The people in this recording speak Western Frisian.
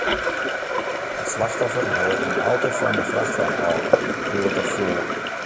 It slachtoffer helle in auto fan in frachtwein ôf, doe't er foel.